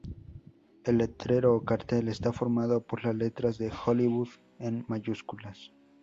El letrero o cartel está formado por las letras de Hollywood en mayúsculas.